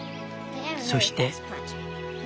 そして。